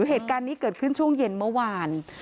เหตุการณ์นี้เกิดขึ้นช่วงเย็นเมื่อวาน